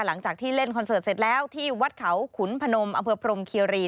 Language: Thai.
หลังจากที่เล่นคอนเสิร์ตเสร็จแล้วที่วัดเขาขุนพนมอำเภอพรมคีรี